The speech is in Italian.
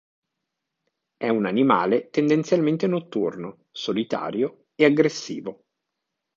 È un animale tendenzialmente notturno, solitario e aggressivo.